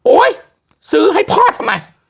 โอ๊ยซื้อให้พ่อทำไม